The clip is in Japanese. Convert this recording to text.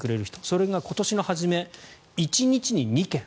それが今年の初め１日に２件。